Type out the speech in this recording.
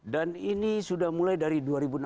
dan ini sudah mulai dari dua ribu enam belas